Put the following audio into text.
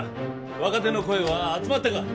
若手の声は集まったか？